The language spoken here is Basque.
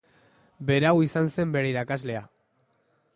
Berau izan zen bere irakaslea.